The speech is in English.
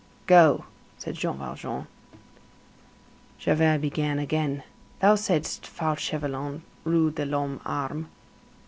"Go," said Jean Valjean. Javert began again: "Thou saidst Fauchelevent, Rue de l'Homme Armé?"